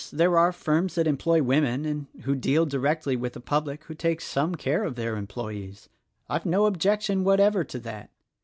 There are firms that employ women — and who deal directly with the public — who take some care of their employees. I've no objection whatever to that.